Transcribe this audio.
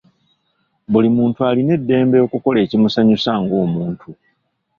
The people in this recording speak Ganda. Buli muntu alina eddembe okukola ekimusanyusa ng’omuntu.